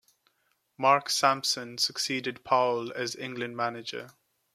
Mark Sampson succeeded Powell as England manager.